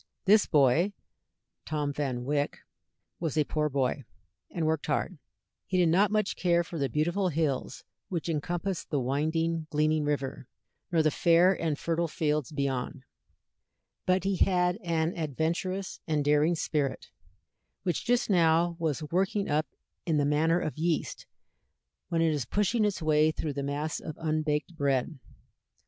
This boy, Tom Van Wyck, was a poor boy, and worked hard; he did not much care for the beautiful hills which encompassed the winding, gleaming river, nor the fair and fertile fields beyond, but he had an adventurous and daring spirit, which just now was working up in the manner of yeast when it is pushing its way through the mass of unbaked bread.